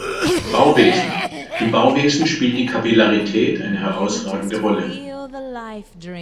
Bauwesen: Im Bauwesen spielt die Kapillarität eine herausragende Rolle.